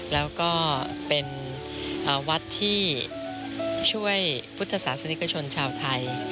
แล้วก็เป็นวัดที่ช่วยพุทธศาสนิกชนชาวไทย